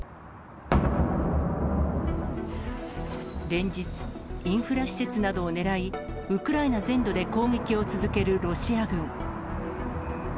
連日、インフラ施設などを狙い、ウクライナ全土で攻撃を続けるロシア軍。